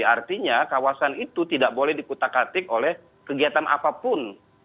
artinya kawasan itu tidak boleh dikutak atik oleh kegiatan apapun